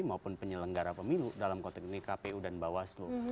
maupun penyelenggara pemilu dalam konteknik kpu dan bawaslu